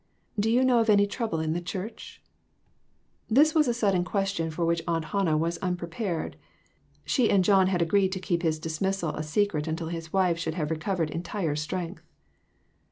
Do you know of any trouble in the church ?" This was a sudden question for which Aunt Hannah was unprepared. She and John had agreed to keep his dismissal a secret until his wife should have recovered entire strength.